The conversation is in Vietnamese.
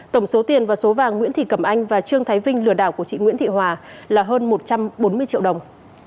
tổng số tiền và số vàng nguyễn thị cẩm anh và trương thái vinh lừa đảo của chị nguyễn thị hòa là hơn một trăm bốn mươi triệu đồng